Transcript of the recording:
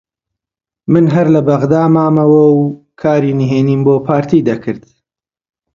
من هەر لە بەغدا مامەوە و کاری نهێنیم بۆ پارتی دەکرد